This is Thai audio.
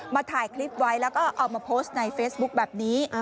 ถ่ายคลิปไว้แล้วก็เอามาโพสต์ในเฟซบุ๊คแบบนี้